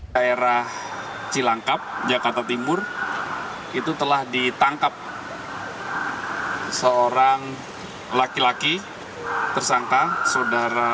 daerah cilangkap jakarta timur itu telah ditangkap seorang laki laki tersangka saudara